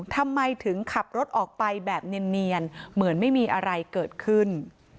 ทำไมถึงขับรถออกไปแบบเนียนเหมือนไม่มีอะไรเกิดขึ้น